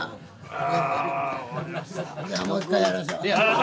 じゃもう一回やりましょう。